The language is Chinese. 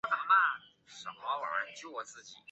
二分短蜂介为半花介科短蜂介属下的一个种。